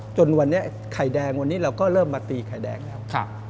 จนวันนี้ไข่แดงวันนี้เราก็เริ่มมาตีไข่แดงแล้ว